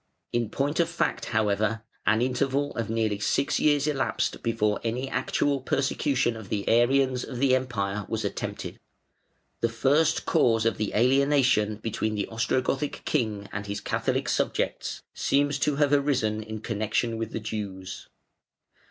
In point of fact, however, an interval of nearly six years elapsed before any actual persecution of the Arians of the Empire was attempted. The first cause of alienation between the Ostrogothic king and his Catholic subjects seems to have arisen in connection with the Jews.